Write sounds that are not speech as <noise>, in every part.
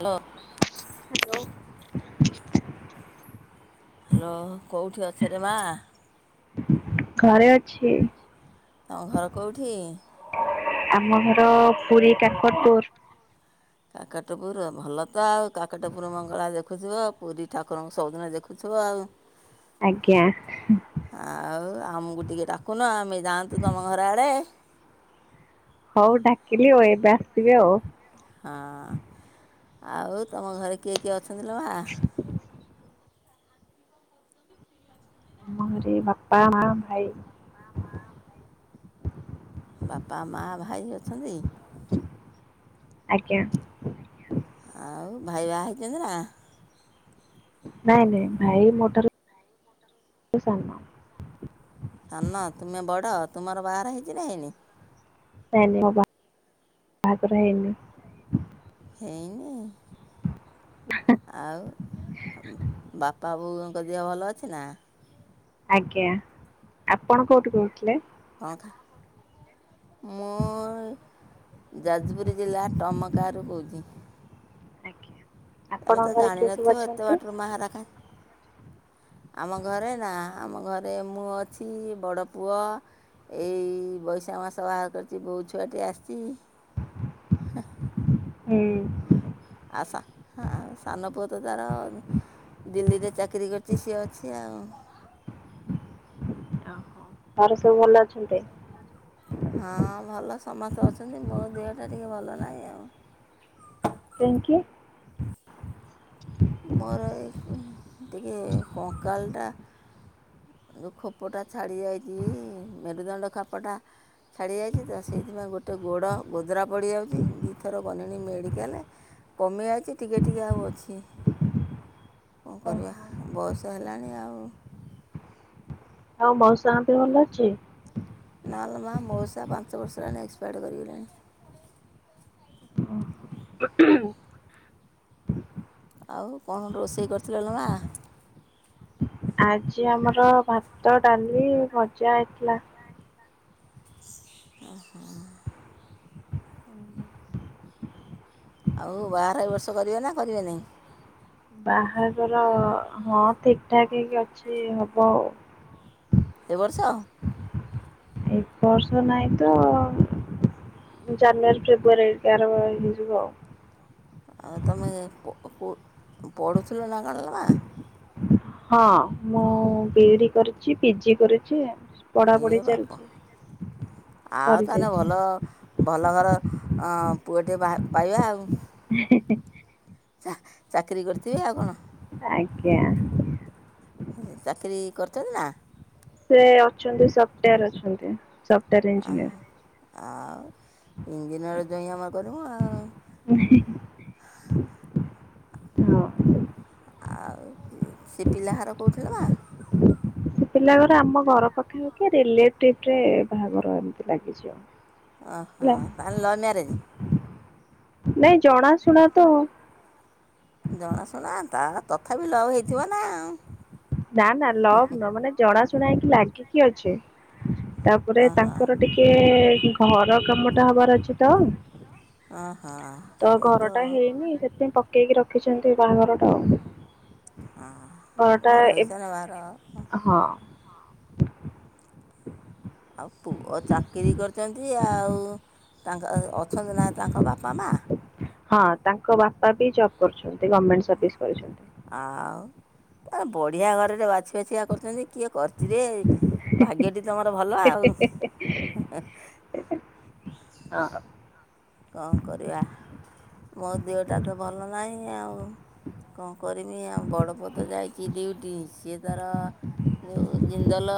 Hello. Hello. Hello, କୋଉଠି ଅଛରେ ମା? ଘରେ ଅଛି। ତମ ଘର କୋଉଠି? ଆମ ଘର ପୁରୀ, କାକଟପୁର। କାକଟପୁର ଭଲ ତ ଆଉ। କାକଟପୁର ମଙ୍ଗଳା ଦେଖୁଥିବ, ପୁରୀ ଠାକୁରଙ୍କୁ ସବୁଦିନ ଦେଖୁଥିବ ଆଉ। ହ <unintelligible> ଆଜ୍ଞା। ଆଉ ଆମକୁ ଟିକେ ଡାକୁନ, ଆମେ ଯାଆନ୍ତୁ ତମ ଘର ଆଡ଼େ? ହଉ ଡାକିଲି ଆଉ ଏବେ ଆସିବେ ଆଉ। ହଁ। ଆଉ ତମ ଘରେ କିଏ କିଏ ଅଛନ୍ତି ଲୋ ମା? ଆମ ଘରେ ବାପା, ମା, ଭାଇ। ବାପା, ମା, ଭାଇ ଅଛନ୍ତି? ଆଜ୍ଞା। ଆଉ ଭାଇ ବାହାହେଇଛନ୍ତି ନା? ନାଇଁ ନାଇଁ, ଭାଇ ମୋ ଠାରୁ ସାନ। ସାନ। ତୁମେ ବଡ? ତୁମର ବାହାଘର ହେଇଛି ନା ହେଇନି? ନାଇଁ ନାଇଁ। ବା-ବାହାଘର ହେଇନି। ହେଇନି? ଆଉ ବାପା ବୋଉଙ୍କ ଦେହ ଭଲ ଅଛି ନା? ଆଜ୍ଞା। ଆପଣ କୋଉଠୁ କହୁଥିଲେ? <unintelligible> ମୁଁ ଯାଜପୁର ଜିଲ୍ଲା ତମ ଘର କୋଉଠି? ଆଜ୍ଞା ଆମେ ତ ଆପଣଙ୍କ ଘରେ ଜାଣି କିଏ ନ ସବୁ ଥିବା। ଏତେ ଅଛନ୍ତି ବାଟରୁ ମହେରେକା ଆମ ଘରେ ନା। ଆମ ଘରେ ମୁଁ ଅଛି, ବଡ଼ ପୁଅ ଏଇ ବୈଶାଖ ମାସ ବାହା କରିଛି। ବୋହୁ ଛୁଆଟି ଆସିଛି। ହୁଁ ଉଁ ଆଉ ସା-ସାନ ପୁଅ ତ ତାର ଦିଲ୍ଲୀରେ ଚାକିରି କରିଛି। ସିଏ ଅଛି ଆଉ। ତାର ସବୁ ଭଲ ଅଛନ୍ତି? ହଁ ଭଲ ସମସ୍ତେ ଅଛନ୍ତି। ମୋ ଦେହଟା ଟିକିଏ ଭଲ ନାହିଁ ଆଉ ଥ୍ୟାଙ୍କ ୟୁ। ମୋର ଏ ଟିକଏ କଙ୍କାଳଟା ଯୋଉ ଖୋପଟା ଛାଡ଼ି ଯାଇଛି। ମେରୁଦଣ୍ଡ ଖୋପଟା ଛାଡ଼ିଯାଇଛି ତ, ସେଇଥିପାଇଁ ଗୋଟେ ଗୋଡ଼ ଗୋଦରା ପଡ଼ିଯାଉଛି। ଦୁଇଥର ଗଲିଣି ମେଡ଼ିକାଲ। କମି ଯାଉଛି। ଟିକେ ଟିକେ ଆଉ ଅଛି। କଣ କରିବା? ଓହୋ ବୟସ ହେଲାଣି ଆଉ। ଆଉ ମଉସାଙ୍କ ଦେହ ଭଲ ଅଛି? ନାଲ ମା। ମଉସା ପାଞ୍ଚ ବର୍ଷ ହେଲାଣି ଏକ୍ସପାୟାର୍ କରିଗଲେଣି। ଆଉ କଣ ରୋଷେଇ କରିଥିଲ ନା ମା? ଆଜି ଆମର ଭାତ ଡାଲି ଭଜା ହେଇଥିଲା। ଓହୋ। ଆଉ ବାହାଘର ଏ ବର୍ଷ କରିବ ନା କରିବନି? ବାହାଘର ହଁ ଠିକ ଠାକ ହେଇକି ଅଛି। ହବ ଆଉ। ଏ ବର୍ଷ? ଏଇ ବର୍ଷ ନାଇଁ ତ ଜାନୁଆରୀ ଫେବୃଆରୀ ପାର ହେଇଯିବ। ଆଉ ତମେ ପ-ପ-ପଢ଼ୁଥିଲ ନା କଣ କି ମା? ହଁ। ମୁଁ ବିଇଡି କରିଛି। ପିଜି କରିଛି। ଏ ପଢାପଢି ବାପ। ଚାଲିଛି। ଆଉ ତା ହେଲେ ସରିଯାଇଛି ଭଲ। ଭଲ ଘର ପୁଅଟିିଏ ପା-ପାଇବା ଆଉ। ହେ ହେ ହେ ଚାକିରୀ କରିଥିବେ। ଆଉ କଣ? ଆଜ୍ଞା। ଚାକିରି କରିଛନ୍ତି ନା? ସେ ଅଛନ୍ତି ସଫ୍ଟୱେରରେ ଅଛନ୍ତି। Software engineer. ଆଉ ଇଞ୍ଜିନିୟର ଜଇଁ ଆମେ କରିବୁ ଆଉ! <unintelligible> ଆଉ ସେ ପିଲା ଘର କୋଉଠୀ ଲ? ସେ ପିଲା ଘର ଆମ ଘର ପାଖେ ଆଖେରେ। <unintelligible> ବାହାଘର ଏମତି ଲାଗିଛି ଆଉ। ଓହୋ, ହେଲା ତାହେଲେ ଲବ୍ ମ୍ୟାରେଜ? ନାଇଁ ଜଣାଶୁଣା ତ ଆଉ। ଜଣାଶୁଣା ତାର ତଥାପି ଲଭ୍ ହେଇଥିବ ନା ଆଉ। ନା ନା ଲଭ୍ ନ ମାନେ ଜଣାଶୁଣା ହେଇକି ଲାଗିକି ଅଛି। ତାପରେ ଓହୋ ତାଙ୍କର ଟିକେ କେ ଘର କାମ ଟା ହବାର ଅଛି ତ। ଓହୋ ତ ଘରଟା ହେଇନି ସେଥିପାଇଁ ପକେଇକି ରଖିଛନ୍ତି ବାହାଘରଟା ଆଉ। ହଁ ଘରଟା ଘର ଏ ହେଇସାରେ ବାହାଘର ହବ। ହଁ ଆଉ ପୁଅ ଚାକିରି କରିଛନ୍ତି ଆଉ ତାଙ୍କ ଅଛନ୍ତି ନାହିଁ ତାଙ୍କ ବାପା, ମା ହଁ ତାଙ୍କ ବାପା ବି ଜବ୍ କରୁଛନ୍ତି ଗର୍ମେଣ୍ଟ ସର୍ଭିସ କରିଛନ୍ତି। ଆଉ ବଢ଼ିଆ ଘରେଟେ ବାଛି ବାଛିିକା କରିଛନ୍ତି। କିଏ କରିଛିରେ ଭାଗ୍ୟଟି ତମର ଭଲ ଆଉ। ହଁ। କଣ କରିବା ମୋ ଦେହଟା ତ ଭଲ ନାହିଁ ଆଉ। କଣ କରିମି ଆ ବଡ଼ପୁଅତ ଯାଇଛି ଡ୍ୟୁଟି ସିଏ ତାର ଯେଉଁ ଜିନ୍ଦଲ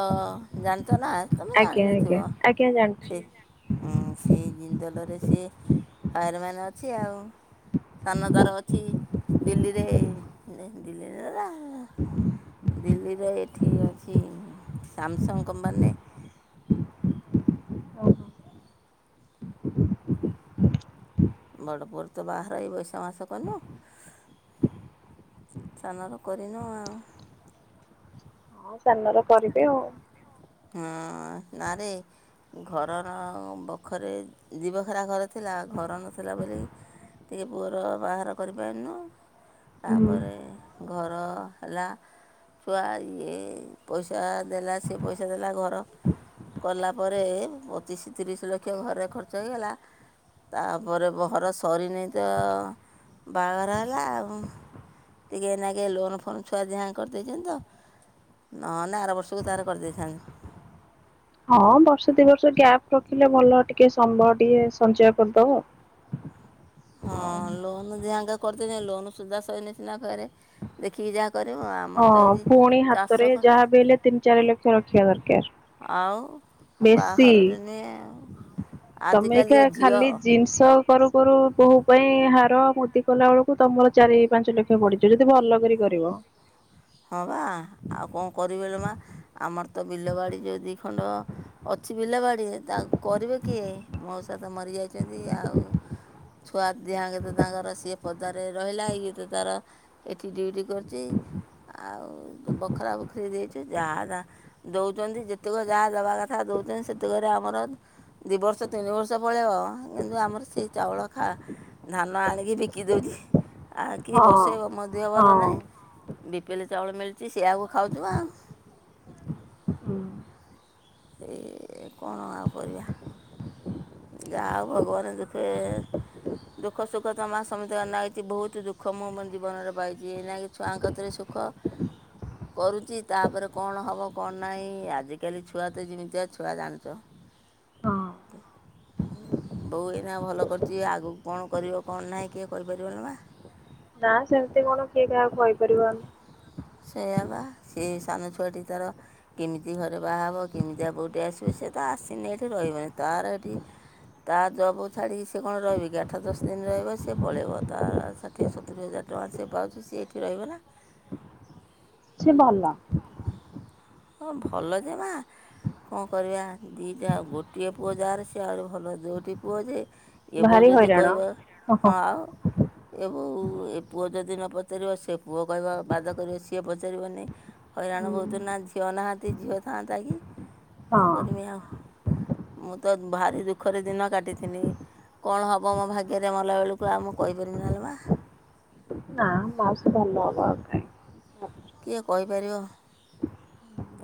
ଜାଣିଛ ନା ତମେ ଆଜ୍ଞା ଆଜ୍ଞା ଜାଣିନଥିବ। ଆଜ୍ଞା ଜାଣିଛି ସେ ହଁ ସେଇ ଜିନ୍ଦଲରେ ସେ ଫାୟାର ମାନ ଅଛି ଆଉ। ସ୍ଥାନ ଦ୍ୱାର ଅଛି ଦିଲ୍ଲୀରେ ଦିଲ୍ଲୀରେ ରା ଦିଲ୍ଲୀରେ ଏଠି ଅଛି ସାମସଙ୍ଗ କମ୍ପାନୀ ରେ। ହଁ ବଡ଼ପୁଅର ତ ବାହାଘର ଏଇ ବୈଶା ମାସ କଲୁ। ସାନର କରିନୁ ଆଉ। ହଁ ସାନର କରିବେ ଆଉ। ହଁ ନାରେ ଘରର ବଖରେ ଦିଖରା ଘର ଥିଲା। ଘର ନଥିଲା ବୋଲି ଟିକେ ପୁଅର ବାହାଘର କରିପାରିନୁ। ହୁଁ ତାପରେ ଘର ହେଲା। ଛୁଆ ଇଏ ପଇସା ଦେଲା ସିଏ ପଇସା ଦେଲା ଘର କଲା ପରେ ପଚିଶ ତିରିଶ ଲକ୍ଷ ଘରେ ଖର୍ଚ୍ଚ ହେଇଗଲା। ତାପରେ ବ ଘର ସରିନି ତ ବାହାଘର ହେଲା ଆଉ। ଟିକେ ନା କେ ଲୋନ ଫୋନ୍ ଛୁଆ ଯାହା କରିଦେଇଛନ୍ତି ତ। ନ ହେଲେ ଆର ବର୍ଷକୁ ତାର କରିଦେଇଥାନ୍ତି। ହଁ ବର୍ଷ ଦି ବର୍ଷ ଗ୍ୟାପ ରଖିଲେ ଭଲ ଟିକେ ସମୟ ଟିକେ ସଞ୍ଚୟ କରିଦବ। ହଁ ଲୋନ୍ ଯାହାଙ୍କ କରିଛନ୍ତି ଲୋନ ସୁଜା ସରିନି ସିନା ଘରେ ଦେଖିକି ଯାହା କରିବ ଆଉ ହଁ ପୁଣି ହାତରେ ଯାହା ବି ହେଲେ ତିନି ଚାରି ଲକ୍ଷ ରଖିବା ଦରକାର। ଆଉ ବେଶୀ ବାହାଘରରେ ନୁଏ ଆଜିକାଲିକା ଝିଅ ଷ କରୁ କରୁ ବୋହୂ ପାଇଁ ହାର, ମୁଦି କଲାବେଳକୁ ତମର ଚାରି ପାଞ୍ଚ ଲକ୍ଷ ପଡିିଯିବ, ଯଦି ଭଲ କରି କରିବ। ହଁ ବା ଆଉ କଣ କରିବି ଲୋ ମା ଆମର ତ ବିଲ ବାଡି ଯୋଉ ଦିଖଣ୍ଡ ଅଛି ବିଲ ବାଡି ତା କରିବେ କିଏ? ମଉସା ତ ମରିଯାଇଛନ୍ତି ଆଉ ଛୁଆ ଦିହାଙ୍କେ ତ ତାଙ୍କର ସିଏ ପଦାରେ ରହିଲା ଇଏ ତ ତାର ଏଠି ଡ୍ୟୁଟି କରୁଛି ଆଉ ବଖରା ବଖରି ଦେଇଛି ଯା ଯା ଦଉଛନ୍ତି ଯେତେକ ଯାହା ଦେବା କଥା ଦଉଛନ୍ତି ସେତେକରେ ଆମର ଦୁଇ ବର୍ଷ ତିନି ବର୍ଷ ପଳେଇବ କିନ୍ତୁ ଆମର ସେ ଚାଉଳ ଖା ଧାନ ଆଣିକି ବିକି ଦେଉଛି ଆଉ କିଏ ହଁ। ବସେଇବ ମୋ ଦେହ ହୁଁ ଭଲ ନାହିଁ। ବିପିିଏଲ ଚାଉଳ ମିଳୁଛି ସେଇଆକୁ ଖାଉଛୁ ବା ହୁଁ। ଏ କଣ ଆଉ କରିବା। ଯାହା ଭଗବାନ ଦୁଃଖେ ଦୁଃଖ ସୁଖ ତ ମା ସମେତ ନାହିଛି ବହୁତ ଦୁଃଖ ମୁଁ ମୋ ଜୀବନରେ ପାଇଛି ଏନାକି ଛୁଆଙ୍କତରେ ସୁଖ <unintelligible> କରୁଛି ତାପରେ କଣ ହେବ କଣ ନାହିଁ ଆଜିକାଲି ଛୁଆ ତ ଯେମିତିଆ ଛୁଆ ଜାଣିଛ ହଁ। <unintelligible> ବୋହୁ ଏଇନା ଭଲ କରିଛି ଆଗକୁ କଣ କରିବ କଣ ନାହିଁ କିଏ କରିପାରିବଲ ବା ନା ସେମିତି କଣ କିଏ କାହାକୁ କହିପାରିବ ଆମ ସେଇଆ ବା ସେ ସାନ ଛୁଆଟି ତାର କେମିତି ଘରେ ବାହା ହବ କେମିତିଆ ବୋହୁଟେ ଆସିବେ ସେଏ ତା ଆସିନେ ଏଠି ରହିବନି ତାର ଏଠି ତା ଜବକୁ ଛାଡ଼ିକି ସିଏ କଣ ରହିବ କି ଆଠ ଦଶ ଦିନ ରହିବ ସିଏ ପଳେଇବ ତା ଷାଠିଏ ସତୁରି ହଜାର ଟଙ୍କା ସିଏ ପାଉଛି ସିଏ ଏଠି ରହିବ ନା। ସିଏ ଭଲ। ହଁ ଭଲ ଯେ ମା କଁ କରିବା ଦିଟା ଆଉ ଗୋଟିଏ ପୁଅ ଯାହାର ସିଏ ଆହୁରି ଭଲ ଦୋଟି ପୁଅ ଯେ ଇଏ ବୋହୂ ଭାରି ଯଦି ହଇରାଣ। କହିବ ଓହୋ। ହଁ ଆଉ। ଏ ବୋହୂ ଏ ପୁଅ ଯଦି ନପଚାରିବ ସେ ପୁଅ କହିବ ବାଦ କରିବେ ସିଏ ପଚାରିବନି। ହଇରାଣ ହୁଁ ବୋହୁତ ନା ଝିଅ ନାହାନ୍ତି ଝିଅ ଥାଆନ୍ତା କି କଁ ହଁ କରମି ଆଉ। ମୁଁ ତ ଭାରି ଦୁଃଖରେ ଦିନ କାଟିଥିନି। କଣ ହବ ମୋ ଭାଗ୍ୟରେ ମଲାବେଳୁକୁ ଆଉ ମୁଁ କହିପାରିବିନା ଲୋ ମା। ନାଁ ମାଉସି ଭଲ ହବ ଆଉ କାଇଁ। କିଏ କହିପାରିବ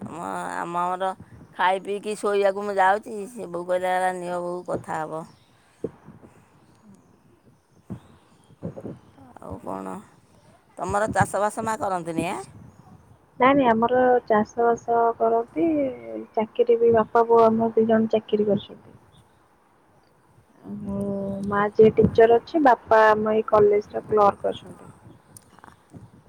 ତମ ଆମର ଖାଇ ପିଇକି ଶୋଇବାକୁ ମୁଁ ଯାଉଚି ସିଏ ବୋହୁ କହିଲା କହିଲା ନିଅ ବୋଉ କଥା ହବ। ଆଉ କଣ ତମର ଚାଷବାସ ମା କରନ୍ତିନି ଆଁ। ନାଇଁ ନାଇଁ ଆମର ଚାଷ ବାସ କରନ୍ତି ଚାକିରି ବି ବାପା ବୋଉ ଆମର ଦି ଜଣ ଚାକି କିରି କରିଛନ୍ତି। ଆଉ ମୋ ମା ଯିଏ ଟିଚର ଅଛି ବାପା ଆମ ଏଇ କଲେଜରେ କ୍ଲର୍କ ଅଛନ୍ତି।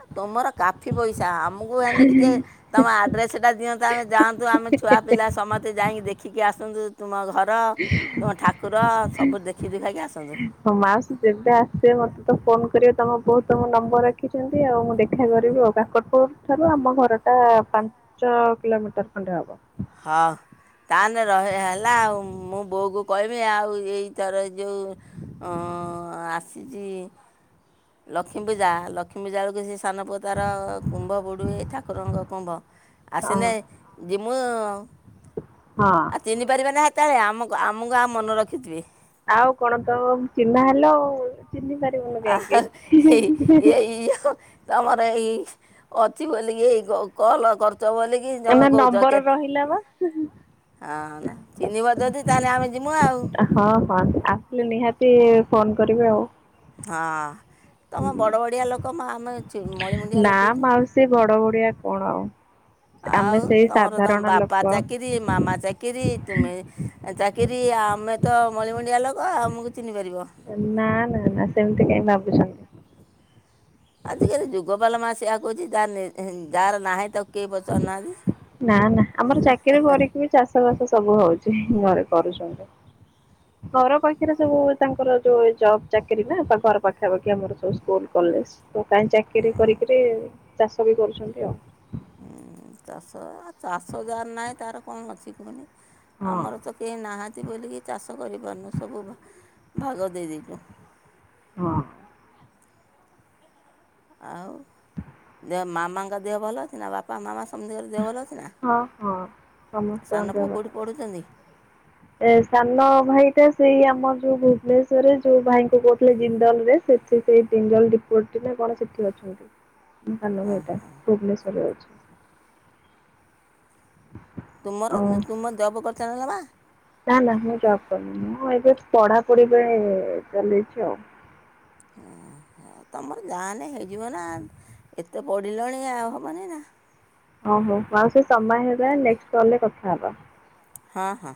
ଆ ତମର କାଫି ପଇସା ଆମୁକୁ ହେନେ ଟିକେ ତମ ଆଡ୍ରେସେଟା ଦିଅନ୍ତ ଆମେ ଯାଆ ନ୍ତୁ ଆମେ ଛୁଆ ପିଲା ସମସ୍ତେ ଯାଇକି ଦେଖିକି ଆସନ୍ତୁ ତୁମ ଘର ତୁମ ଠାକୁ ର ସବୁ ଦେଖି ଦୁଖାଇକି ଆସନ୍ତୁ। ହଁ ମାଉସି ଯେବେ ଆସିବେ ମତେ ତ ଫୋନ କରିବେ ତମ ବୋହୁ ତ ମୋ ନମ୍ବର ରଖିଛନ୍ତି ଆଉ ମୁଁ ଦେଖା କରିବି ଆଉ। କାକଟପୁରୁ ଠାରୁ ଆମ ଘର ଟା ପାଞ୍ଚ କିଲମିଟର ଖଣ୍ଡେ ହବ। ହଉ। ତାହାନେ ରହ ହେ ହେଲା ଆଉ ମୁଁ ବୋହୁକୁ କହିବି ଆଉ ଏଇ ଥର ଯେଉଁ ଅଁ ଆସିଚି ଲକ୍ଷ୍ମୀ ପୂଜା ଲକ୍ଷ୍ମୀ ପୂଜା ବେଳୁକୁ ସେ ସାନ ପୁଅ ତାର କୁମ୍ଭ ବୁଡୁଏ ଠାକୁରଙ୍କ କୁମ୍ଭ। ହଁ ଆସନେ ଯିମୁଁ ହଁ। ଆଉ ଚିହ୍ନି ପାରିବେ ନା ହେତୋବେଳେ ଆମକୁ ଆମୁକୁ ଆଉ ମନ ରଖିଥିବେ। ଆଉ କଣ ତ ଚିହ୍ନା ହେଲ ଆଉ ଚିହ୍ନି ପାରି ଆଉ ହେଇ ଏଇ। <unintelligible> ତମର ଏଇ ଅଛି ବୋଲିକି ଏଇ କ କଲ କରୁଚ ବୋଲି କି ନା ତମେ କୋହୁଚ ନମ୍ବର କେତ୍ ରହିଲା ବା ହଁ ନା ଚିହ୍ନିବ ଯଦି ତାହେଲେ ଆମେ ଯିମୁ ଆଉ। ହଁ ହଁ ଆସିଲେ ନିହାତି ଫୋନ୍ କରିବେ ଆଉ। ହଁ ତମ ବଡ଼ ବଡ଼ିଆ ଲୋକୋ ମା ଆମେ ଛି ମଳିମୁଣ୍ଡିଆ ଲୋକୋତି। ସେ ବଡ ବଡିଆ କଣ ଆଉ ସେ ଆମେ ସେଇ ସାଧାରଣ ଲୋକ। ରି ମାମା ଚାକିରି ତୁମେ ଏ ଚାକିରି ଆମେ ତ ମଳିମଣ୍ଡିଆ ଲୋକ ଆମକୁ ଚିହ୍ନି ପାରିବ। ଏ ନାଁ ନାଁ ନାଁ ସେମିତି କାଇଁ ଭାବୁଛନ୍ତି। ଆଜି କାଲି ଯୁଗପା ଲୋ ମା ସେଇଆ କୋହୁଚି ଯା ନେ ଯାହାର ନାହିଁ ତା ନାଁ ନାଁ ଆମର ଚାକିରି କରିକି ବି ଚାଷ ବାସ ସବୁ ହଉଚି ଘରେ କରୁଛନ୍ତି ଘର ପାଖେରେ ସବୁ ତାଙ୍କର ଯୋଉ ଏ ଜବ୍ ଚାକିରି ନା ତ ଘର ପାଖାପାଖି ଆମର ସବୁ ସ୍କୁଲ କଲେଜ। ତୁ କାହିଁ ଚାକିରି ହଁ କରିକିରି ଚାଷ ବି କରୁଛନ୍ତି ଆଉ। ହୁଁ ଚାଷ ଆଉ ଚାଷ ଯାହାର ନାହିଁ ତାର କଣ ଅଛି କୁହୁନି ହଁ ଆମର ତ କେହି ନାହାନ୍ତି ବୋଲିକି ଚାଷ କରିପାରୁନୁ ସବୁ ଭାଗ ଦେଇଦେଇଛୁ। ହଁ। ଆଉ ଦେହ ମାମାଙ୍କ ଦେହ ଭଲ ଅଛି ନା ବାପା ମାମା ସମତିଙ୍କ ର ଦେହ ଭଲ ଅଛି ନା। ହଁ ହଁ ସମସ୍ତ ଙ୍କ ସାନ ପୁଅ ଦେହ ଭଲ କେଉଁଠି ଅଛି। ପଢ଼ୁଛନ୍ତି ଏ ସାନ ଭାଇ ଟା ସେଇ ଆମର ଯୋଉ ଭୁବନେଶ୍ୱରରେ ଯୋଉ ଭାଇଙ୍କୁ କହୁଥିଲେ ଜିନ୍ଦଲ ରେ ସେ ସେ ସେଇ ତିନି ଜଣ ଡିପୋ ନା କଣ ସେଠି ଅଛନ୍ତି ସାନ ହଁ ଭାଇଟା ହଁ ଭୁବନେଶ୍ୱଵର ରେ ଅଛି। ତୁମର ଓ ତୁମ ଜବ୍ କରିଛ ନା ମା। ନା ନା ମୁଁ ଜବ୍ କରିନିି ମୁଁ ଏବେ ପଢାପଢି ପାଇଁ ଚଲେଇଛି ଆଉ। ହଁ ହଁ ତମର ଯାହେନେ ହେଇଯିବ ନା ଏତେ ପଡ଼ିଲାଣି ଆଉ ହବନି ନା। ହଉ ହଉ ମାଉସୀ ସମୟ ହେଲାନି ନେକ୍ସଟ୍ କଲ୍ ରେ କଥା ହେବା। ହଁ ହଁ।